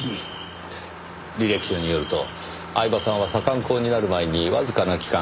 履歴書によると饗庭さんは左官工になる前にわずかな期間